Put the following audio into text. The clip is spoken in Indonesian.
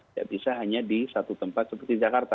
tidak bisa hanya di satu tempat seperti jakarta